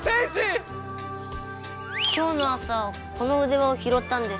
今日の朝このうでわをひろったんです。